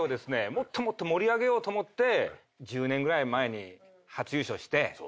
もっともっと盛り上げようと思って１０年ぐらい前に初優勝していろんなとこ出てったわけです。